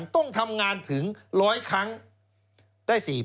ต้องทำงานถึง๑๐๐ครั้งได้๔๐๐